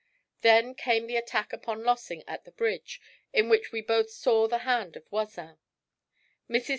Then came the attack upon Lossing at the bridge, in which we both saw the hand of Voisin. Mrs.